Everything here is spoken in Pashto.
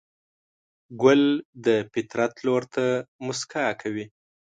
ګل د فطرت لور ته موسکا کوي.